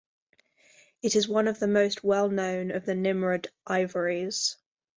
It is one of the most well known of the Nimrud ivories.